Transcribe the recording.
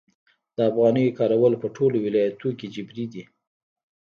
د افغانیو کارول په ټولو ولایتونو کې جبري دي؟